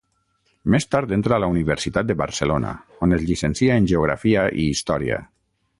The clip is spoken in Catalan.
Més tard entra a la Universitat de Barcelona, on es llicencia en Geografia i Història.